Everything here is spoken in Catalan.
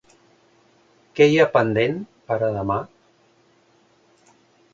Què hi ha pendent per a demà?